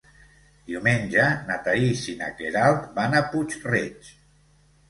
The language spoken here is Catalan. Diumenge na Thaís i na Queralt van a Puig-reig.